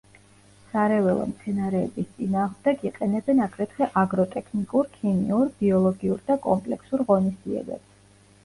სარეველა მცენარეების წინააღმდეგ იყენებენ აგრეთვე აგროტექნიკურ, ქიმიურ, ბიოლოგიურ და კომპლექსურ ღონისძიებებს.